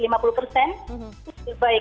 itu lebih baik